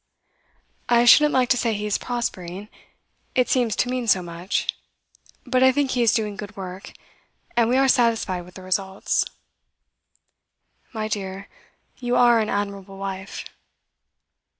'I shouldn't like to say he is prospering; it seems to mean so much; but I think he is doing good work, and we are satisfied with the results.' 'My dear, you are an admirable wife.